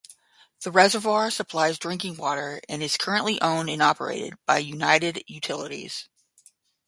The reservoir supplies drinking water and is currently owned and operated by United Utilities.